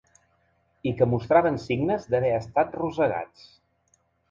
I que mostraven signes d’haver estat rosegats.